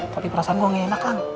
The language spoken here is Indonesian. tapi perasaan gue gak enak kang